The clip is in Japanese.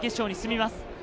準決勝に進みます。